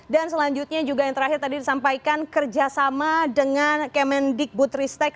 dan selanjutnya juga yang terakhir tadi disampaikan kerjasama dengan kemendikbud ristek